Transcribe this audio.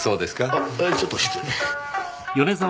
あっちょっと失礼。